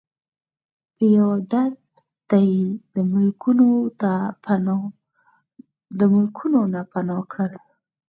په یو ډز ته یی د ملکونو نه پناه کړل